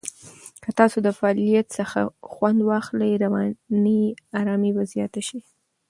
که تاسو د فعالیت څخه خوند واخلئ، رواني آرامۍ به زیاته شي.